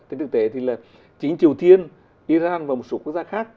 tích thực tế thì là chính triều thiên iran và một số quốc gia khác